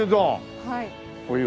はい。